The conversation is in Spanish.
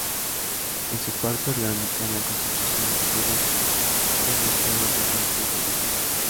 En su parte orgánica, la Constitución reprodujo y aumentó los defectos de las Bases.